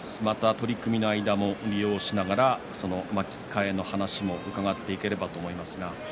取組の間も利用しながら巻き替えの話も伺っていければと思います。